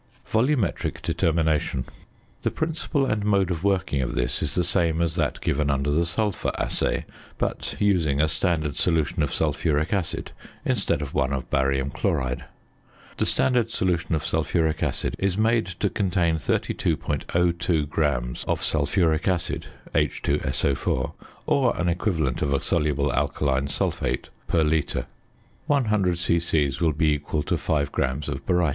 VOLUMETRIC DETERMINATION. The principle and mode of working of this is the same as that given under the Sulphur Assay; but using a standard solution of sulphuric acid instead of one of barium chloride. The standard solution of sulphuric acid is made to contain 32.02 grams of sulphuric acid (H_SO_), or an equivalent of a soluble alkaline sulphate, per litre. 100 c.c. will be equal to 5 grams of baryta.